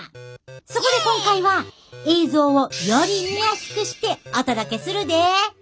そこで今回は映像をより見やすくしてお届けするで！